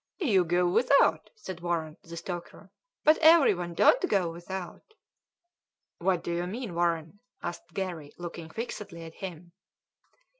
"You go without," said Warren, the stoker; "but everyone don't go without." "What do you mean, Warren?" asked Garry, looking fixedly at him.